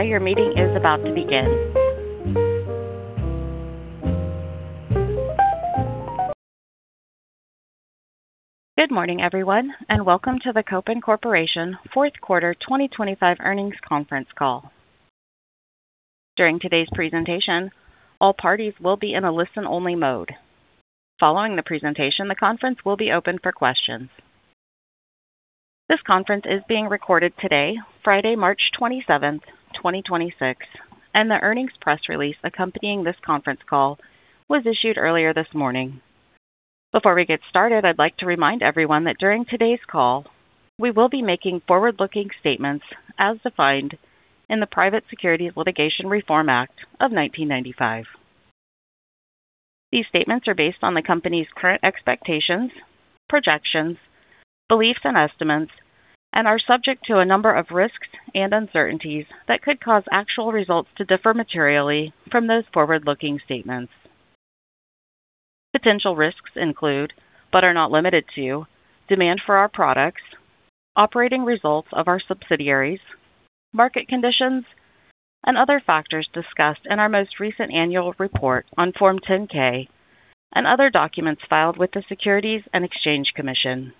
Good morning, everyone, and welcome to the Kopin Corporation Fourth Quarter 2025 Earnings Conference Call. During today's presentation, all parties will be in a listen-only mode. Following the presentation, the conference will be open for questions. This conference is being recorded today, Friday, March 27, 2026, and the earnings press release accompanying this conference call was issued earlier this morning. Before we get started, I'd like to remind everyone that during today's call, we will be making forward-looking statements as defined in the Private Securities Litigation Reform Act of 1995. These statements are based on the company's current expectations, projections, beliefs, and estimates and are subject to a number of risks and uncertainties that could cause actual results to differ materially from those forward-looking statements. Potential risks include, but are not limited to, demand for our products, operating results of our subsidiaries, market conditions, and other factors discussed in our most recent annual report on Form 10-K and other documents filed with the Securities and Exchange Commission.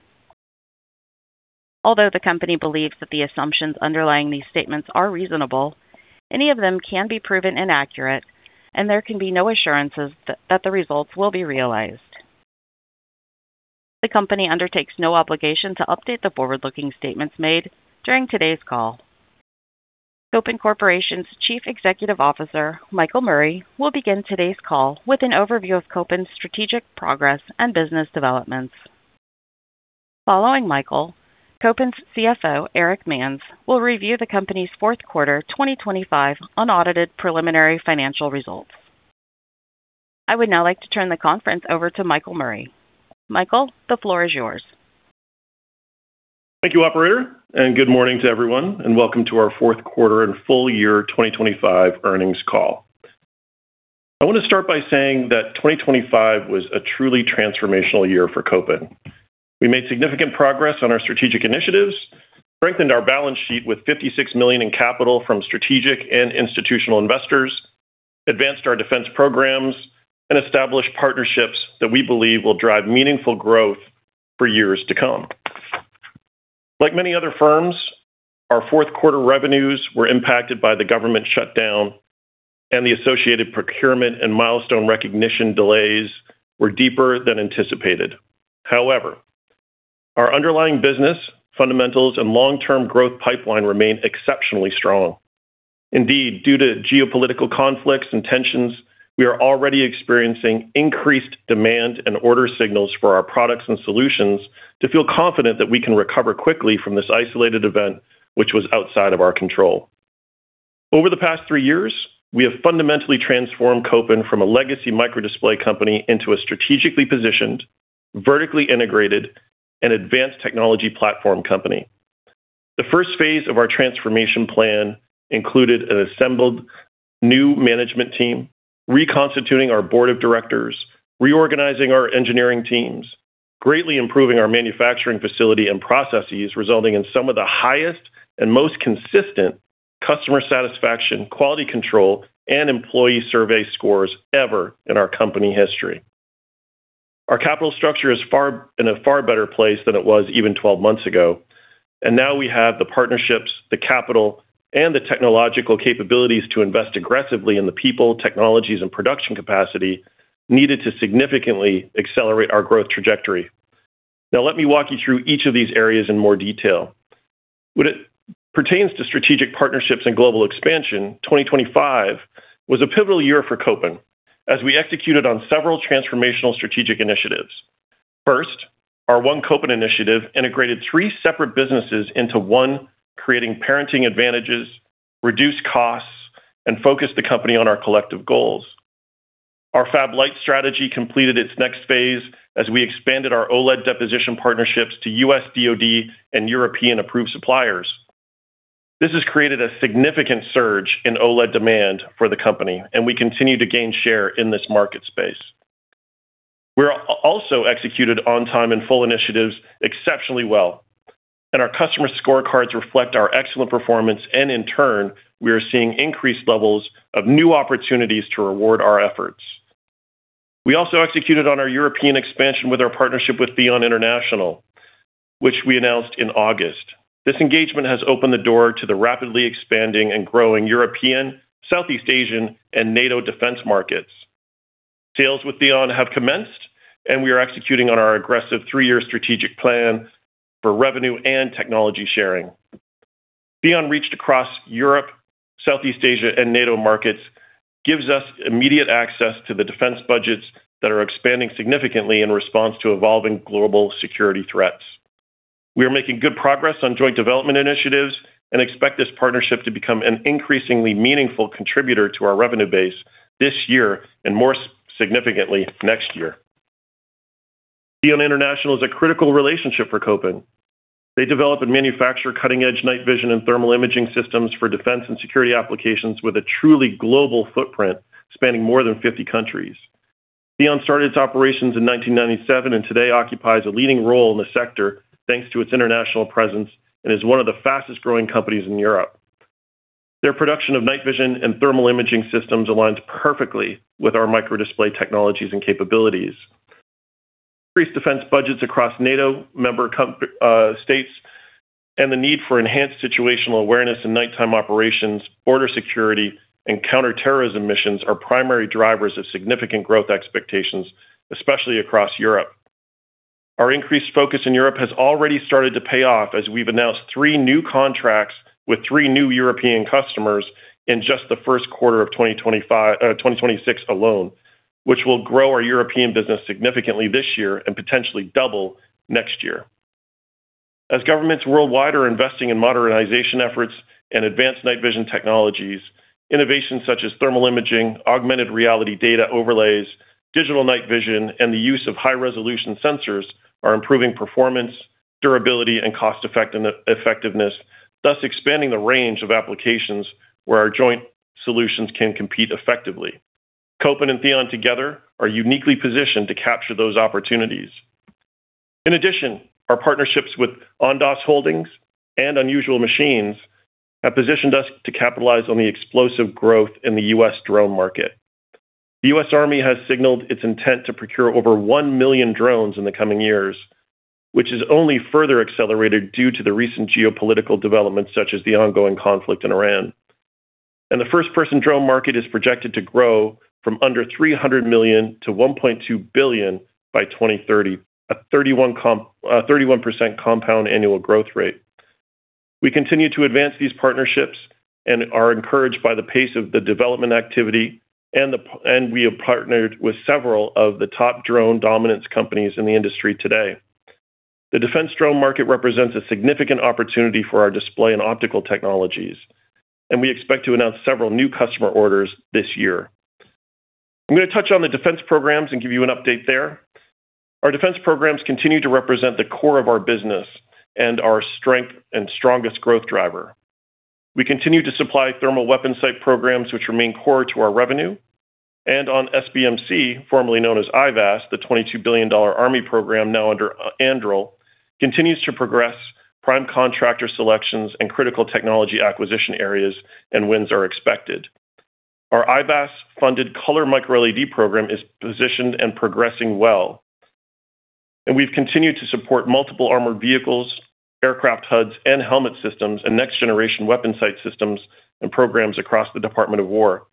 Although the company believes that the assumptions underlying these statements are reasonable, any of them can be proven inaccurate, and there can be no assurances that the results will be realized. The company undertakes no obligation to update the forward-looking statements made during today's call. Kopin Corporation's Chief Executive Officer, Michael Murray, will begin today's call with an overview of Kopin's strategic progress and business developments. Following Michael, Kopin's CFO, Erich Manz, will review the company's fourth quarter 2025 unaudited preliminary financial results. I would now like to turn the conference over to Michael Murray. Michael, the floor is yours. Thank you, operator, and good morning to everyone, and welcome to our fourth quarter and full year 2025 earnings call. I want to start by saying that 2025 was a truly transformational year for Kopin. We made significant progress on our strategic initiatives, strengthened our balance sheet with $56 million in capital from strategic and institutional investors, advanced our defense programs, and established partnerships that we believe will drive meaningful growth for years to come. Like many other firms, our fourth quarter revenues were impacted by the government shutdown, and the associated procurement and milestone recognition delays were deeper than anticipated. However, our underlying business fundamentals and long-term growth pipeline remain exceptionally strong. Indeed, due to geopolitical conflicts and tensions, we are already experiencing increased demand and order signals for our products and solutions to feel confident that we can recover quickly from this isolated event, which was outside of our control. Over the past three years, we have fundamentally transformed Kopin from a legacy microdisplay company into a strategically positioned, vertically integrated, and advanced technology platform company. The first phase of our transformation plan included an assembled new management team, reconstituting our board of directors, reorganizing our engineering teams, greatly improving our manufacturing facility and processes, resulting in some of the highest and most consistent customer satisfaction, quality control, and employee survey scores ever in our company history. Our capital structure is in a far better place than it was even 12 months ago, and now we have the partnerships, the capital, and the technological capabilities to invest aggressively in the people, technologies, and production capacity needed to significantly accelerate our growth trajectory. Now, let me walk you through each of these areas in more detail. When it pertains to strategic partnerships and global expansion, 2025 was a pivotal year for Kopin as we executed on several transformational strategic initiatives. First, our One Kopin initiative integrated three separate businesses into one, creating parenting advantages, reduced costs, and focused the company on our collective goals. Our fab-light strategy completed its next phase as we expanded our OLED deposition partnerships to U.S. DoD and European-approved suppliers. This has created a significant surge in OLED demand for the company, and we continue to gain share in this market space. We also executed on-time and full initiatives exceptionally well, and our customer scorecards reflect our excellent performance, and in turn, we are seeing increased levels of new opportunities to reward our efforts. We also executed on our European expansion with our partnership with THEON International, which we announced in August. This engagement has opened the door to the rapidly expanding and growing European, Southeast Asian, and NATO defense markets. Sales with THEON have commenced, and we are executing on our aggressive three-year strategic plan for revenue and technology sharing. THEON's reach across Europe, Southeast Asia, and NATO markets gives us immediate access to the defense budgets that are expanding significantly in response to evolving global security threats. We are making good progress on joint development initiatives and expect this partnership to be executed. We are making good progress on joint development initiatives and expect this partnership to be executed. We are making good progress on joint development initiatives and expect this partnership to become an increasingly meaningful contributor to our revenue base this year and more significantly next year. THEON International is a critical relationship for Kopin. They develop and manufacture cutting-edge night vision and thermal imaging systems for defense and security applications with a truly global footprint spanning more than 50 countries. THEON started its operations in 1997 and today occupies a leading role in the sector thanks to its international presence and is one of the fastest growing companies in Europe. Their production of night vision and thermal imaging systems aligns perfectly with our microdisplay technologies and capabilities. Increased defense budgets across NATO member states and the need for enhanced situational awareness in nighttime operations, border security, and counterterrorism missions are primary drivers of significant growth expectations, especially across Europe. Our increased focus in Europe has already started to pay off as we've announced three new contracts with three new European customers in just the first quarter of 2026 alone, which will grow our European business significantly this year and potentially double next year. As governments worldwide are investing in modernization efforts and advanced night vision technologies, innovations such as thermal imaging, augmented reality data overlays, digital night vision, and the use of high-resolution sensors are improving performance, durability, and cost-effectiveness, thus expanding the range of applications where our joint solutions can compete effectively. Kopin and THEON together are uniquely positioned to capture those opportunities. In addition, our partnerships with Ondas Holdings and Unusual Machines have positioned us to capitalize on the explosive growth in the U.S. drone market. The U.S. Army has signaled its intent to procure over 1 million drones in the coming years, which is only further accelerated due to the recent geopolitical developments such as the ongoing conflict in Ukraine. The first-person drone market is projected to grow from under $300 million to $1.2 billion by 2030, a 31% compound annual growth rate. We continue to advance these partnerships and are encouraged by the pace of the development activity, and we have partnered with several of the top Drone Dominance companies in the industry today. The defense drone market represents a significant opportunity for our display and optical technologies, and we expect to announce several new customer orders this year. I'm going to touch on the defense programs and give you an update there. Our defense programs continue to represent the core of our business and our strength and strongest growth driver. We continue to supply thermal weapon sight programs, which remain core to our revenue. On SBMC, formerly known as IVAS, the $22 billion Army program now under Anduril, continues to progress prime contractor selections and critical technology acquisition areas and wins are expected. Our IVAS-funded color microLED program is positioned and progressing well. We've continued to support multiple armored vehicles, aircraft HUDs and helmet systems and next-generation weapon sight systems and programs across the U.S. Department of Defense.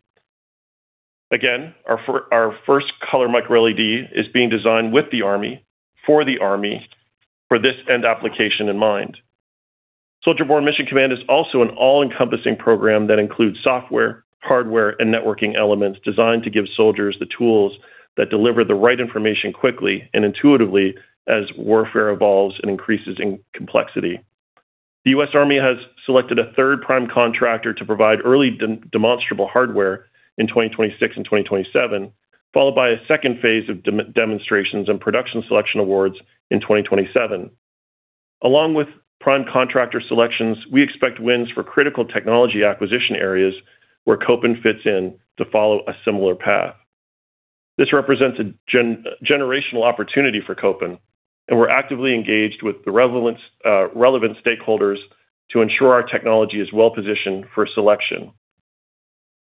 Again, our first color microLED is being designed with the Army, for the Army, for this end application in mind. Soldier Borne Mission Command is also an all-encompassing program that includes software, hardware, and networking elements designed to give soldiers the tools that deliver the right information quickly and intuitively as warfare evolves and increases in complexity. The U.S. Army has selected a third prime contractor to provide early demonstrable hardware in 2026 and 2027, followed by a second phase of demonstrations and production selection awards in 2027. Along with prime contractor selections, we expect wins for critical technology acquisition areas where Kopin fits in to follow a similar path. This represents a generational opportunity for Kopin, and we're actively engaged with the relevant stakeholders to ensure our technology is well-positioned for selection.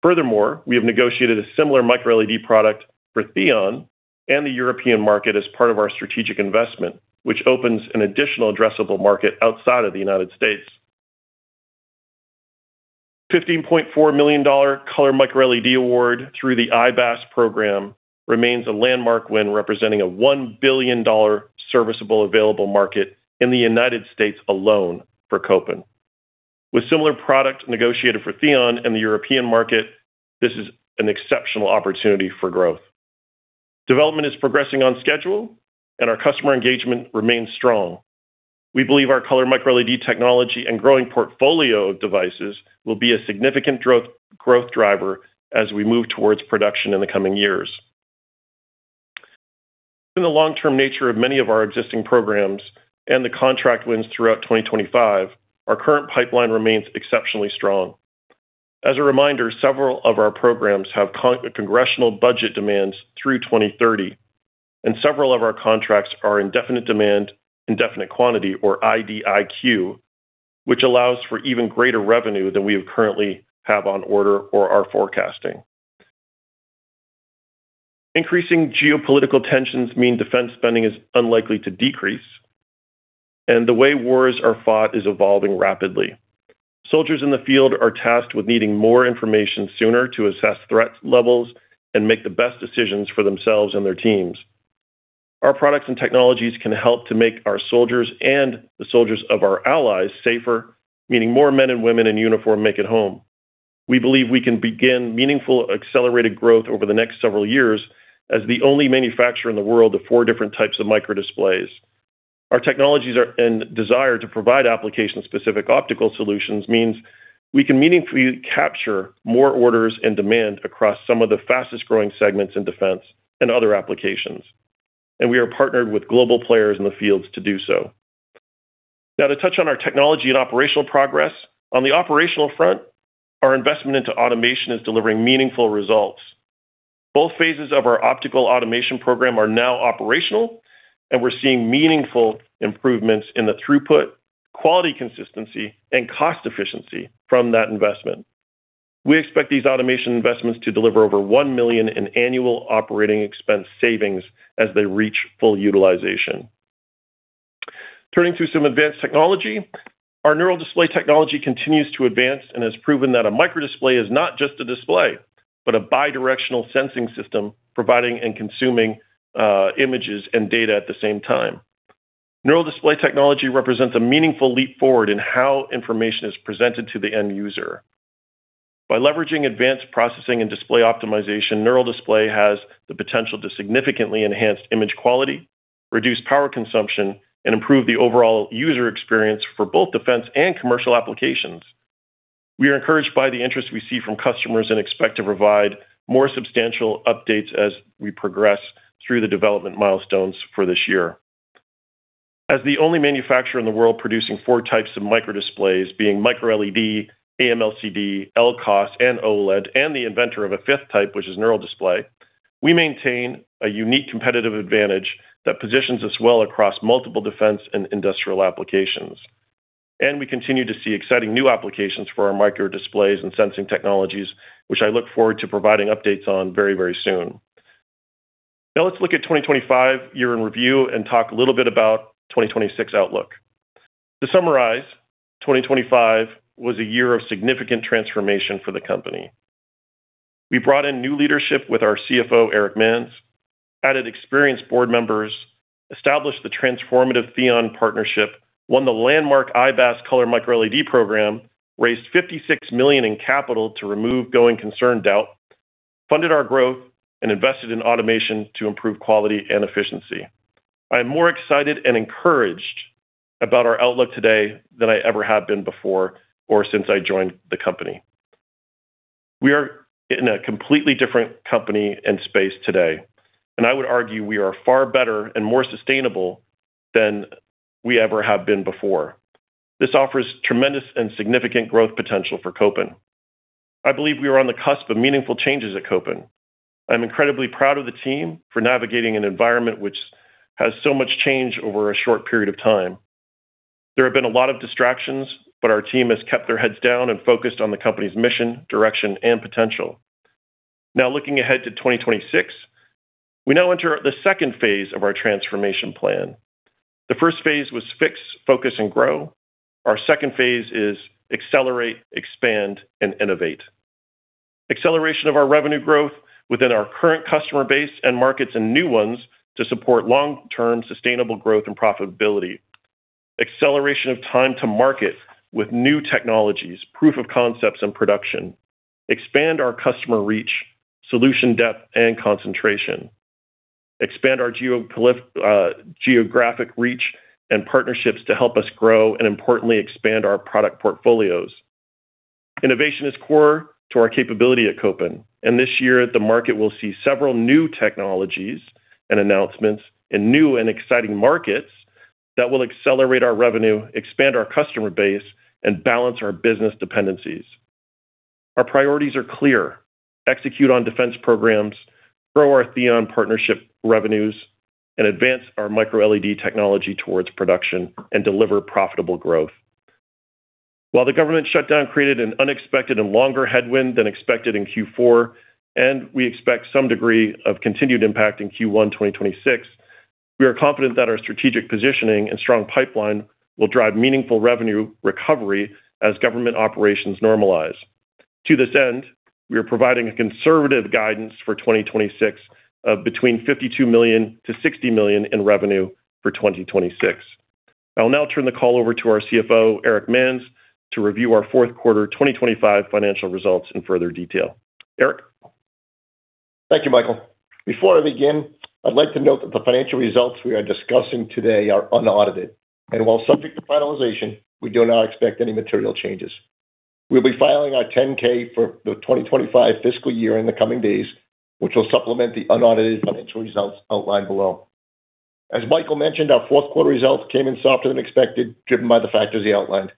Furthermore, we have negotiated a similar microLED product for THEON and the European market as part of our strategic investment, which opens an additional addressable market outside of the United States. The $15.4 million color microLED award through the IBAS program remains a landmark win, representing a $1 billion serviceable addressable market in the United States alone for Kopin. With a similar product negotiated for THEON in the European market, this is an exceptional opportunity for growth. Development is progressing on schedule, and our customer engagement remains strong. We believe our color microLED technology and growing portfolio of devices will be a significant growth driver as we move towards production in the coming years. In the long-term nature of many of our existing programs and the contract wins throughout 2025, our current pipeline remains exceptionally strong. As a reminder, several of our programs have congressional budget demands through 2030, and several of our contracts are indefinite delivery, indefinite quantity, or IDIQ, which allows for even greater revenue than we currently have on order or are forecasting. Increasing geopolitical tensions mean defense spending is unlikely to decrease, and the way wars are fought is evolving rapidly. Soldiers in the field are tasked with needing more information sooner to assess threat levels and make the best decisions for themselves and their teams. Our products and technologies can help to make our soldiers and the soldiers of our allies safer, meaning more men and women in uniform make it home. We believe we can begin meaningful accelerated growth over the next several years as the only manufacturer in the world of four different types of microdisplays. Our technologies and desire to provide application-specific optical solutions means we can meaningfully capture more orders and demand across some of the fastest-growing segments in defense and other applications. We are partnered with global players in the fields to do so. Now to touch on our technology and operational progress. On the operational front, our investment into automation is delivering meaningful results. Both phases of our optical automation program are now operational, and we're seeing meaningful improvements in the throughput, quality consistency, and cost efficiency from that investment. We expect these automation investments to deliver over $1 million in annual operating expense savings as they reach full utilization. Turning to some advanced technology, our NeuralDisplay technology continues to advance and has proven that a microdisplay is not just a display, but a bidirectional sensing system providing and consuming images and data at the same time. NeuralDisplay technology represents a meaningful leap forward in how information is presented to the end user. By leveraging advanced processing and display optimization, NeuralDisplay has the potential to significantly enhance image quality, reduce power consumption, and improve the overall user experience for both defense and commercial applications. We are encouraged by the interest we see from customers and expect to provide more substantial updates as we progress through the development milestones for this year. As the only manufacturer in the world producing four types of microdisplays, being microLED, AMLCD, LCoS, and OLED, and the inventor of a fifth type, which is NeuralDisplay, we maintain a unique competitive advantage that positions us well across multiple defense and industrial applications. We continue to see exciting new applications for our microdisplays and sensing technologies, which I look forward to providing updates on very, very soon. Now let's look at 2025 year in review and talk a little bit about 2026 outlook. To summarize, 2025 was a year of significant transformation for the company. We brought in new leadership with our CFO, Erich Manz, added experienced board members, established the transformative THEON partnership, won the landmark IBAS Color microLED program, raised $56 million in capital to remove going concern doubt, funded our growth, and invested in automation to improve quality and efficiency. I am more excited and encouraged about our outlook today than I ever have been before or since I joined the company. We are in a completely different company and space today, and I would argue we are far better and more sustainable than we ever have been before. This offers tremendous and significant growth potential for Kopin. I believe we are on the cusp of meaningful changes at Kopin. I'm incredibly proud of the team for navigating an environment which has so much change over a short period of time. There have been a lot of distractions, but our team has kept their heads down and focused on the company's mission, direction, and potential. Now looking ahead to 2026, we now enter the second phase of our transformation plan. The first phase was fix, focus, and grow. Our second phase is accelerate, expand, and innovate. Acceleration of our revenue growth within our current customer base and markets and new ones to support long-term sustainable growth and profitability. Acceleration of time to market with new technologies, proof of concepts, and production. Expand our customer reach, solution depth, and concentration. Expand our geographic reach and partnerships to help us grow and importantly expand our product portfolios. Innovation is core to our capability at Kopin, and this year the market will see several new technologies and announcements in new and exciting markets that will accelerate our revenue, expand our customer base, and balance our business dependencies. Our priorities are clear. Execute on defense programs, grow our THEON partnership revenues, and advance our microLED technology towards production and deliver profitable growth. While the government shutdown created an unexpected and longer headwind than expected in Q4, and we expect some degree of continued impact in Q1 2026. We are confident that our strategic positioning and strong pipeline will drive meaningful revenue recovery as government operations normalize. To this end, we are providing a conservative guidance for 2026 of between $52 million-$60 million in revenue for 2026. I will now turn the call over to our CFO, Erich Manz, to review our fourth quarter 2025 financial results in further detail. Erich? Thank you, Michael. Before I begin, I'd like to note that the financial results we are discussing today are unaudited. While subject to finalization, we do not expect any material changes. We'll be filing our 10-K for the 2025 fiscal year in the coming days, which will supplement the unaudited financial results outlined below. As Michael mentioned, our fourth quarter results came in softer than expected, driven by the factors he outlined.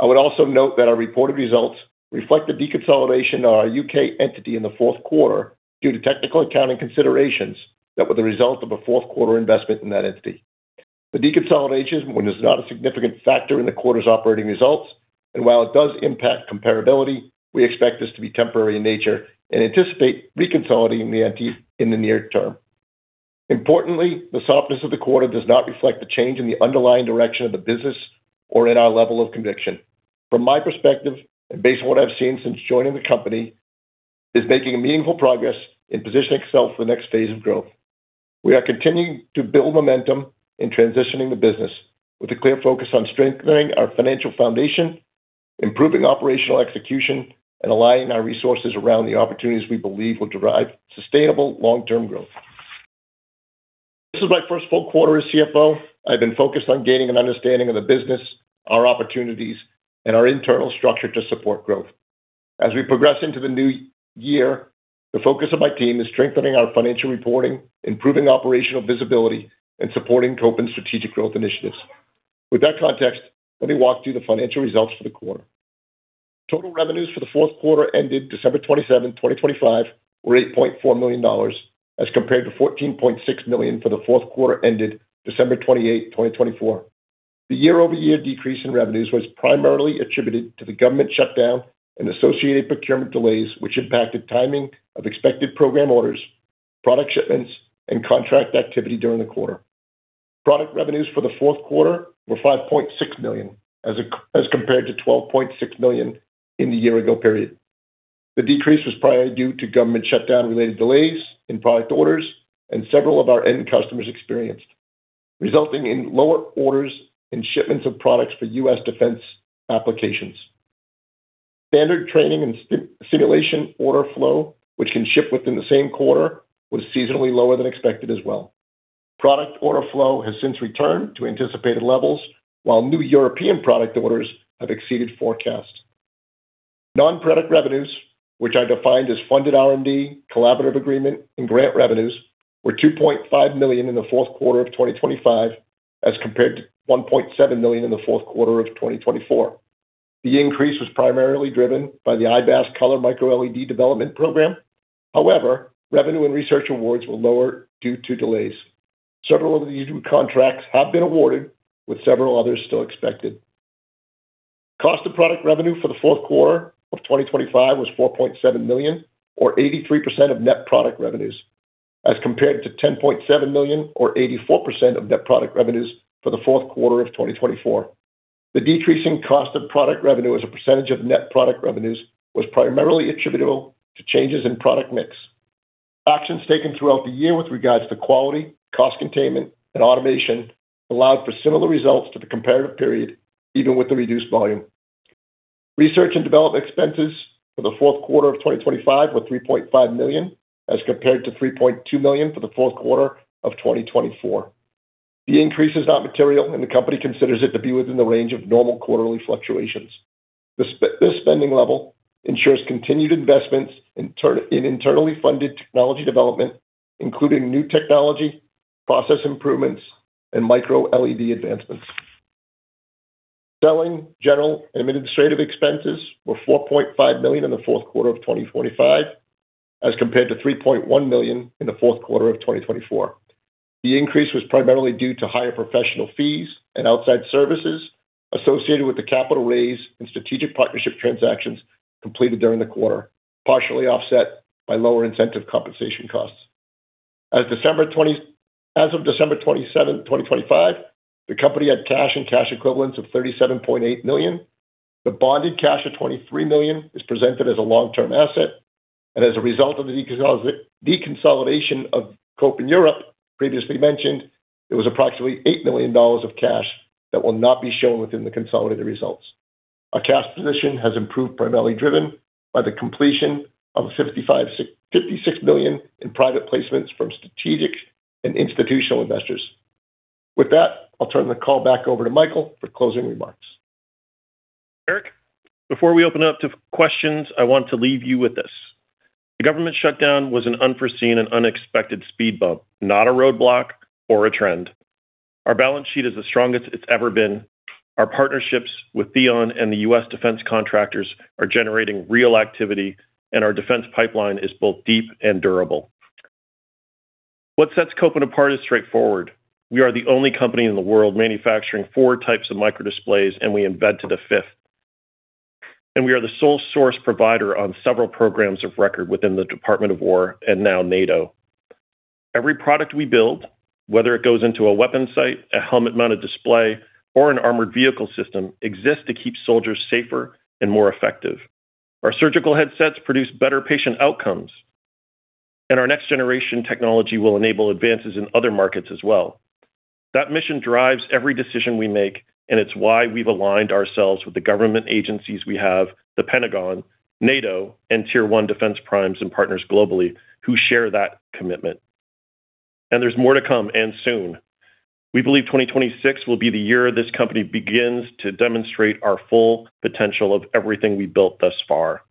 I would also note that our reported results reflect the deconsolidation of our U.K. entity in the fourth quarter due to technical accounting considerations that were the result of a fourth quarter investment in that entity. The deconsolidation was not a significant factor in the quarter's operating results, and while it does impact comparability, we expect this to be temporary in nature and anticipate reconsolidating the entity in the near term. Importantly, the softness of the quarter does not reflect the change in the underlying direction of the business or in our level of conviction. From my perspective, and based on what I've seen since joining the company, it is making meaningful progress in positioning itself for the next phase of growth. We are continuing to build momentum in transitioning the business with a clear focus on strengthening our financial foundation, improving operational execution, and aligning our resources around the opportunities we believe will drive sustainable long-term growth. This is my first full quarter as CFO. I've been focused on gaining an understanding of the business, our opportunities, and our internal structure to support growth. As we progress into the new year, the focus of my team is strengthening our financial reporting, improving operational visibility, and supporting Kopin's strategic growth initiatives. With that context, let me walk through the financial results for the quarter. Total revenues for the fourth quarter ended December 27, 2025, were $8.4 million as compared to $14.6 million for the fourth quarter ended December 28, 2024. The year-over-year decrease in revenues was primarily attributed to the government shutdown and associated procurement delays, which impacted timing of expected program orders, product shipments, and contract activity during the quarter. Product revenues for the fourth quarter were $5.6 million as compared to $12.6 million in the year ago period. The decrease was primarily due to government shutdown-related delays in product orders and several of our end customers experienced, resulting in lower orders and shipments of products for U.S. Defense applications. Standard training and simulation order flow, which can ship within the same quarter, was seasonally lower than expected as well. Product order flow has since returned to anticipated levels, while new European product orders have exceeded forecasts. Non-product revenues, which I defined as funded R&D, collaborative agreement, and grant revenues, were $2.5 million in the fourth quarter of 2025 as compared to $1.7 million in the fourth quarter of 2024. The increase was primarily driven by the IVAS color microLED development program. However, revenue and research awards were lower due to delays. Several of these new contracts have been awarded, with several others still expected. Cost of product revenue for the fourth quarter of 2025 was $4.7 million or 83% of net product revenues, as compared to $10.7 million or 84% of net product revenues for the fourth quarter of 2024. The decrease in cost of product revenue as a percentage of net product revenues was primarily attributable to changes in product mix. Actions taken throughout the year with regards to quality, cost containment, and automation allowed for similar results to the comparative period, even with the reduced volume. Research and development expenses for the fourth quarter of 2025 were $3.5 million, as compared to $3.2 million for the fourth quarter of 2024. The increase is not material, and the company considers it to be within the range of normal quarterly fluctuations. This spending level ensures continued investments in internally funded technology development, including new technology, process improvements, and microLED advancements. Selling, general, and administrative expenses were $4.5 million in the fourth quarter of 2025, as compared to $3.1 million in the fourth quarter of 2024. The increase was primarily due to higher professional fees and outside services associated with the capital raise and strategic partnership transactions completed during the quarter, partially offset by lower incentive compensation costs. As of December 27, 2025, the company had cash and cash equivalents of $37.8 million. The bonded cash of $23 million is presented as a long-term asset. As a result of the deconsolidation of Kopin Europe previously mentioned, there was approximately $8 million of cash that will not be shown within the consolidated results. Our cash position has improved primarily driven by the completion of a $56 million in private placements from strategic and institutional investors. With that, I'll turn the call back over to Michael for closing remarks. Eric, before we open up to questions, I want to leave you with this. The government shutdown was an unforeseen and unexpected speed bump, not a roadblock or a trend. Our balance sheet is the strongest it's ever been. Our partnerships with THEON and the U.S. Defense contractors are generating real activity, and our defense pipeline is both deep and durable. What sets Kopin apart is straightforward. We are the only company in the world manufacturing four types of microdisplays, and we embed to the fifth. We are the sole source provider on several programs of record within the Department of Defense and now NATO. Every product we build, whether it goes into a weapon sight, a helmet-mounted display, or an armored vehicle system, exists to keep soldiers safer and more effective. Our surgical headsets produce better patient outcomes, and our next-generation technology will enable advances in other markets as well. That mission drives every decision we make, and it's why we've aligned ourselves with the government agencies we have, the Pentagon, NATO, and tier one defense primes and partners globally who share that commitment. There's more to come and soon. We believe 2026 will be the year this company begins to demonstrate our full potential of everything we built thus far.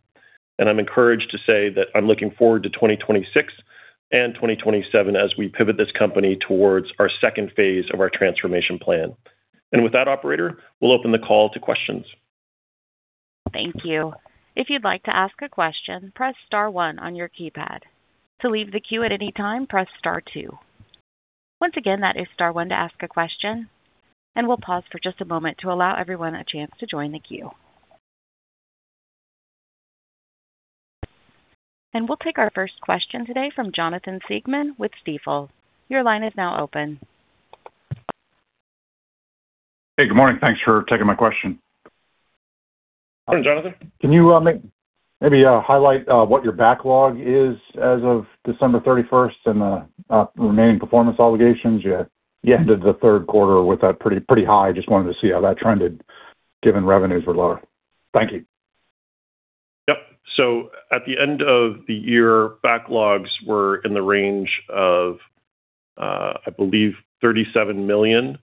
I'm encouraged to say that I'm looking forward to 2026 and 2027 as we pivot this company towards our second phase of our transformation plan. With that operator, we'll open the call to questions. We'll take our first question today from Jonathan Siegmann with Stifel. Your line is now open. Hey, good morning. Thanks for taking my question. Good morning, Jonathan. Can you maybe highlight what your backlog is as of December 31st and remaining performance obligations? Yeah. You ended the third quarter with that pretty high. Just wanted to see how that trended given revenues were lower. Thank you. Yep. At the end of the year, backlogs were in the range of, I believe $37 million,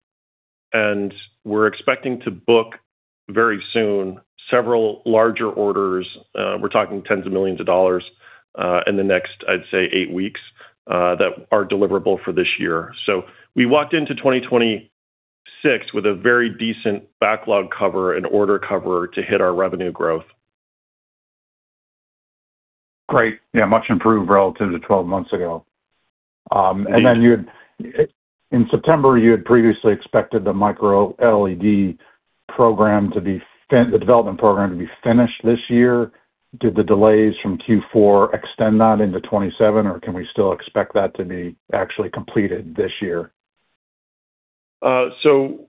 and we're expecting to book very soon several larger orders. We're talking tens of millions of dollars in the next, I'd say eight weeks, that are deliverable for this year. We walked into 2026 with a very decent backlog cover and order cover to hit our revenue growth. Great. Yeah, much improved relative to 12 months ago. Indeed. In September, you had previously expected the microLED program the development program to be finished this year. Did the delays from Q4 extend that into 2027, or can we still expect that to be actually completed this year?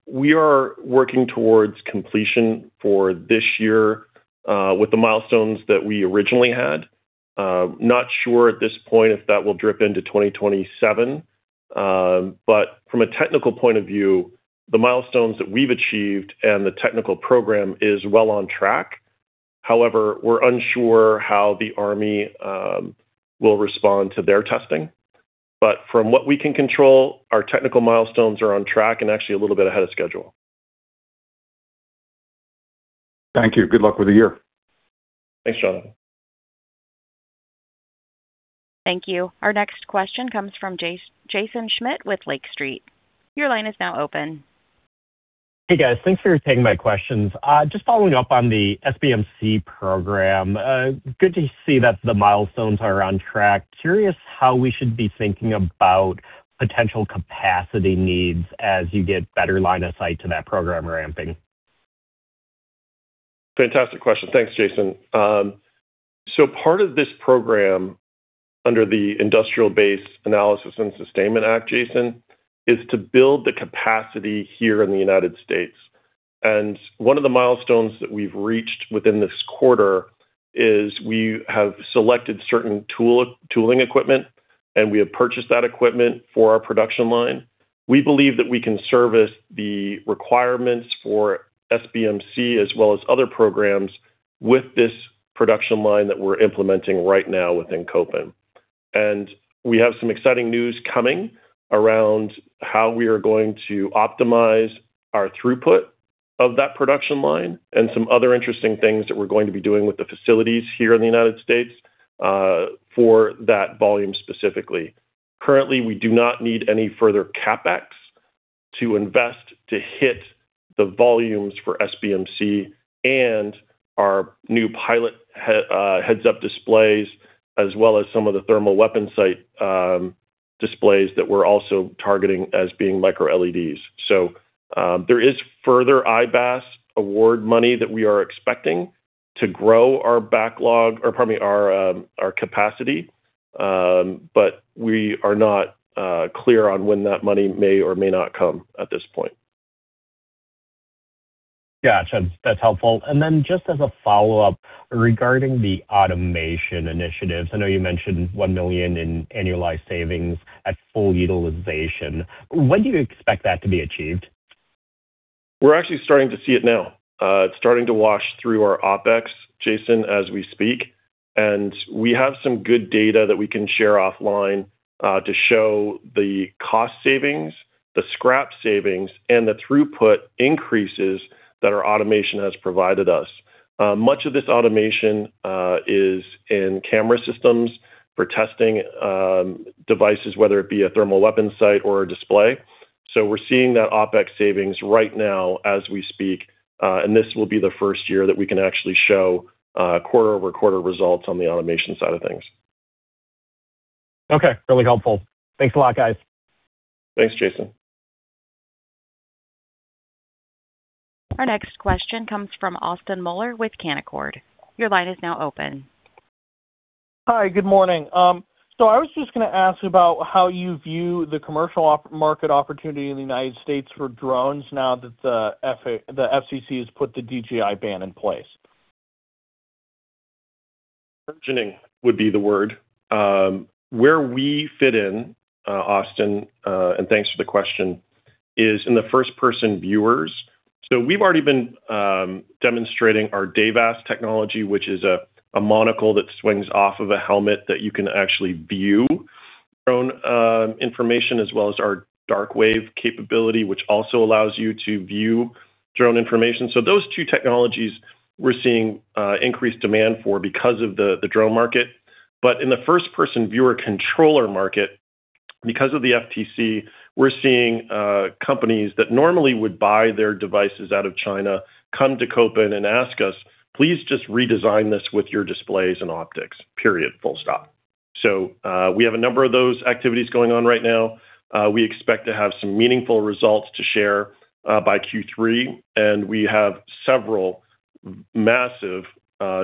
We are working towards completion for this year with the milestones that we originally had. Not sure at this point if that will slip into 2027. From a technical point of view, the milestones that we've achieved and the technical program is well on track. However, we're unsure how the Army will respond to their testing. From what we can control, our technical milestones are on track and actually a little bit ahead of schedule. Thank you. Good luck with the year. Thanks, Jonathan. Thank you. Our next question comes from Jaeson Schmidt with Lake Street. Your line is now open. Hey, guys. Thanks for taking my questions. Just following up on the SBMC program. Good to see that the milestones are on track. Curious how we should be thinking about potential capacity needs as you get better line of sight to that program ramping? Fantastic question. Thanks, Jaeson. Part of this program under the Industrial Base Analysis and Sustainment Act, Jaeson, is to build the capacity here in the United States. One of the milestones that we've reached within this quarter is we have selected certain tool, tooling equipment, and we have purchased that equipment for our production line. We believe that we can service the requirements for SBMC as well as other programs with this production line that we're implementing right now within Kopin. We have some exciting news coming around how we are going to optimize our throughput of that production line and some other interesting things that we're going to be doing with the facilities here in the United States for that volume specifically. Currently, we do not need any further CapEx to invest to hit the volumes for SBMC and our new pilot heads-up displays, as well as some of the thermal weapon sight displays that we're also targeting as being microLEDs. There is further IVAS award money that we are expecting to grow our backlog or, pardon me, our capacity. We are not clear on when that money may or may not come at this point. Gotcha. That's helpful. Just as a follow-up regarding the automation initiatives, I know you mentioned $1 million in annualized savings at full utilization. When do you expect that to be achieved? We're actually starting to see it now. It's starting to wash through our OpEx, Jaeson, as we speak. We have some good data that we can share offline to show the cost savings, the scrap savings, and the throughput increases that our automation has provided us. Much of this automation is in camera systems for testing devices, whether it be a thermal weapon sight or a display. We're seeing that OpEx savings right now as we speak. This will be the first year that we can actually show quarter-over-quarter results on the automation side of things. Okay. Really helpful. Thanks a lot, guys. Thanks, Jaeson. Our next question comes from Austin Moeller with Canaccord. Your line is now open. Hi, good morning. I was just gonna ask about how you view the commercial open-market opportunity in the United States for drones now that the FCC has put the DJI ban in place. Surging would be the word. Where we fit in, Austin, and thanks for the question, is in the first-person viewers. We've already been demonstrating our DayVAS technology, which is a monocle that swings off of a helmet that you can actually view drone information, as well as our DarkWAVE capability, which also allows you to view drone information. Those two technologies we're seeing increased demand for because of the drone market. In the first-person viewer controller market, because of the FTC, we're seeing companies that normally would buy their devices out of China, come to Kopin and ask us, "Please just redesign this with your displays and optics." Period. Full stop. We have a number of those activities going on right now. We expect to have some meaningful results to share by Q3. We have several massive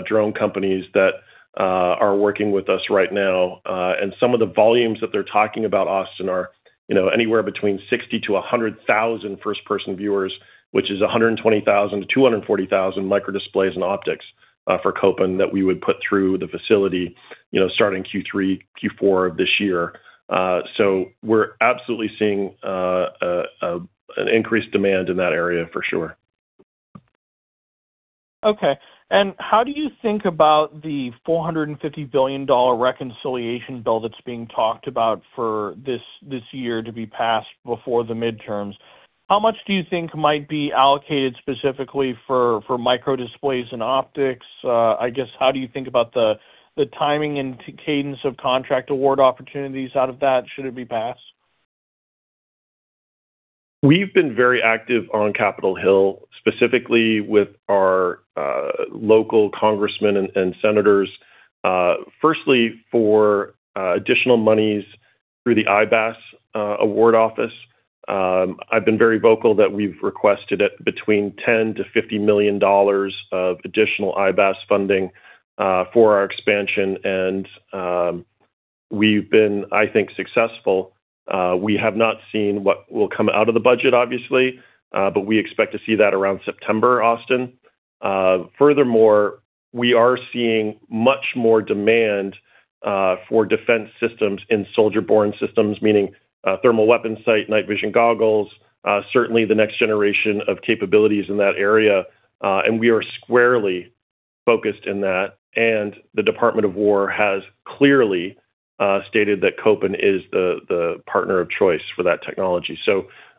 drone companies that are working with us right now. Some of the volumes that they're talking about, Austin, are, you know, anywhere between 60,000-100,000 first-person viewers, which is 120,000-240,000 microdisplays and optics for Kopin that we would put through the facility, you know, starting Q3, Q4 of this year. We're absolutely seeing an increased demand in that area for sure. Okay. How do you think about the $450 billion reconciliation bill that's being talked about for this year to be passed before the midterms? How much do you think might be allocated specifically for micro displays and optics? I guess, how do you think about the timing and cadence of contract award opportunities out of that should it be passed? We've been very active on Capitol Hill, specifically with our local congressmen and senators. Firstly, for additional monies through the IBAS award office. I've been very vocal that we've requested it between $10 million-$50 million of additional IBAS funding for our expansion and we've been, I think, successful. We have not seen what will come out of the budget, obviously, but we expect to see that around September, Austin. Furthermore, we are seeing much more demand for defense systems in soldier-borne systems, meaning thermal weapon sight, night vision goggles, certainly the next generation of capabilities in that area. We are squarely focused in that. The Department of Defense has clearly stated that Kopin is the partner of choice for that technology.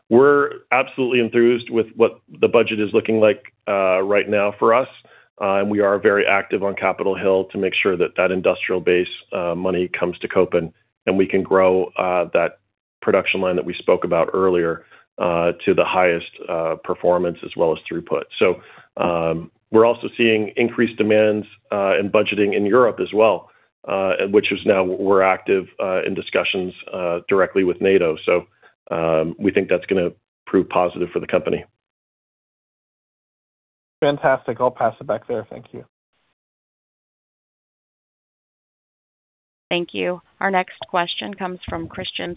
We're absolutely enthused with what the budget is looking like right now for us. We are very active on Capitol Hill to make sure that industrial base money comes to Kopin and we can grow that production line that we spoke about earlier to the highest performance as well as throughput. We're also seeing increased demands in budgeting in Europe as well, which is now we're active in discussions directly with NATO. We think that's gonna prove positive for the company. Fantastic. I'll pass it back there. Thank you. Thank you. Our next question comes from Christian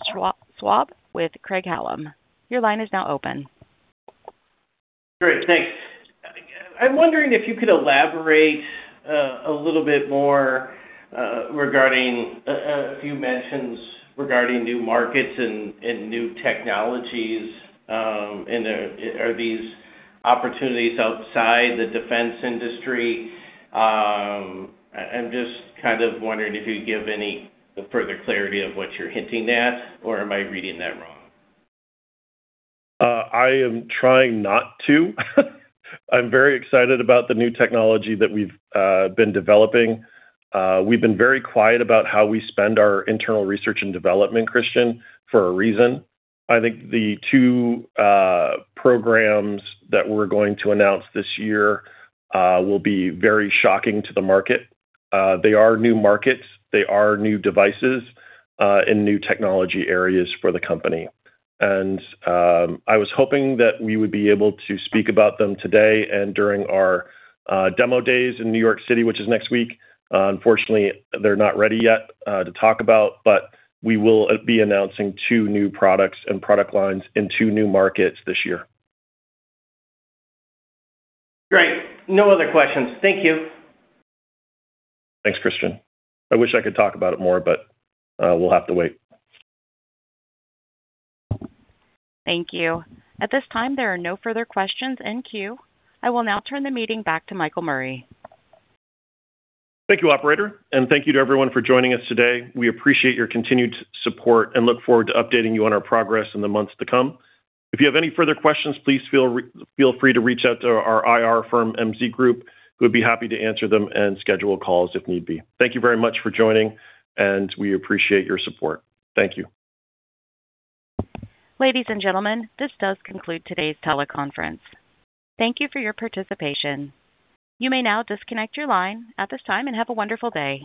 Schwab with Craig-Hallum. Your line is now open. Great. Thanks. I'm wondering if you could elaborate a little bit more regarding a few mentions regarding new markets and new technologies, and are these opportunities outside the defense industry? I'm just kind of wondering if you could give any further clarity of what you're hinting at, or am I reading that wrong? I am trying not to. I'm very excited about the new technology that we've been developing. We've been very quiet about how we spend our internal research and development, Christian, for a reason. I think the two programs that we're going to announce this year will be very shocking to the market. They are new markets. They are new devices and new technology areas for the company. I was hoping that we would be able to speak about them today and during our demo days in New York City, which is next week. Unfortunately, they're not ready yet to talk about, but we will be announcing two new products and product lines in two new markets this year. Great. No other questions. Thank you. Thanks, Christian. I wish I could talk about it more, but we'll have to wait. Thank you. At this time, there are no further questions in queue. I will now turn the meeting back to Michael Murray. Thank you, operator, and thank you to everyone for joining us today. We appreciate your continued support and look forward to updating you on our progress in the months to come. If you have any further questions, please feel free to reach out to our IR firm, MZ Group. We'd be happy to answer them and schedule calls if need be. Thank you very much for joining, and we appreciate your support. Thank you. Ladies and gentlemen, this does conclude today's teleconference. Thank you for your participation. You may now disconnect your line at this time, and have a wonderful day.